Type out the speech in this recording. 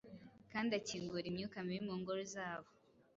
kandi akingura imyuka mibi mu ngoro zabo,